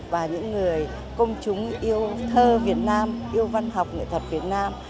và những người công chúng yêu thơ việt nam yêu văn học nghệ thuật việt nam